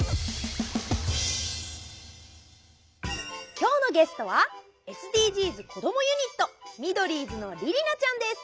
きょうのゲストはＳＤＧｓこどもユニットミドリーズのりりなちゃんです！